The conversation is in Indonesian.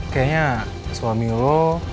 kayaknya suami lo